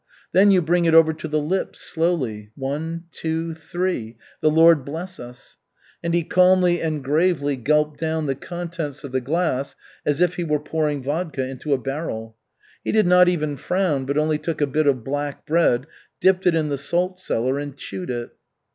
Then you bring it over to the lips, slowly one, two, three the Lord bless us!" And he calmly and gravely gulped down the contents of the glass, as if he were pouring vodka into a barrel. He did not even frown, but only took a bit of black bread, dipped it in the salt cellar, and chewed it.